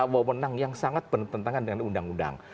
wawenang yang sangat bertentangan dengan undang undang